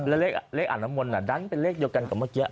เออแล้วเลขอังนมลน่ะดั๊งเป็นเลขเกี่ยวกันกับเมื่อกี้